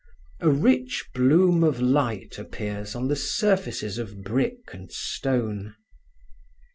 A rich bloom of light appears on the surfaces of brick and stone.